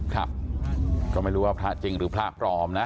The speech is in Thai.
ครับก็ไม่รู้ว่าพระจริงหรือพระปลอมนะ